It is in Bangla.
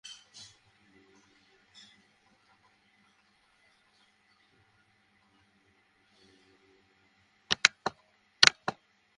দুটি ভবনের একটি বিশ্ববিদ্যালয় পরিষদের বিভিন্ন কাজের জন্য ব্যবহার করা হবে।